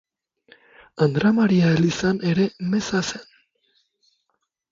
Andra Maria elizan ere meza zen.